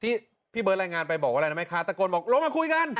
ที่พี่เบิร์ตรายงานไปบอกว่าอะไรรู้ไหมคะตะโกนบอกลงมาคุยกัน